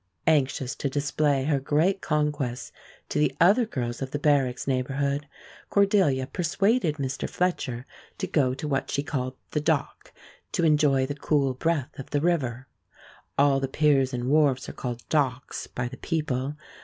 Anxious to display her great conquest to the other girls of the Barracks neighborhood, Cordelia persuaded Mr. Fletcher to go to what she called "the dock," to enjoy the cool breath of the river. All the piers and wharves are called "docks" by the people.